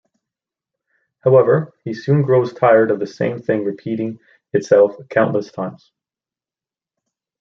However, he soon grows tired of the same thing repeating itself countless times.